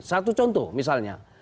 satu contoh misalnya